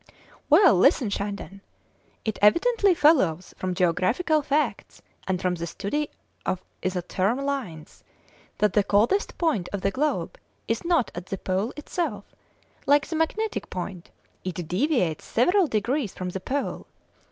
"Well, listen, Shandon; it evidently follows from geographical facts, and from the study of isotherm lines, that the coldest point of the globe is not at the Pole itself; like the magnetic point, it deviates several degrees from the Pole.